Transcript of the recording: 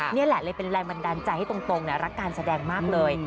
นี่แหละเลยเป็นแรงบันดาลใจให้ตรงรักการแสดงมากเลย